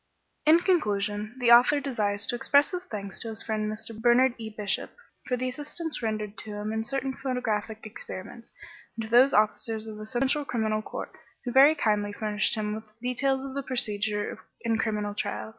In conclusion, the author desires to express his thanks to his friend Mr. Bernard E. Bishop for the assistance rendered to him in certain photographic experiments, and to those officers of the Central Criminal Court who very kindly furnished him with details of the procedure in criminal trials.